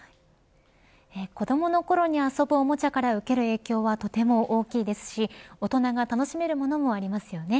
子どものころに遊ぶおもちゃから受ける影響はとても大きいですし大人が楽しめるものもありますよね。